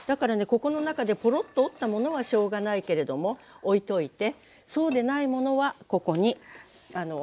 ここの中でポロッと落ちたものはしょうがないけれどもおいといてそうでないものはここに。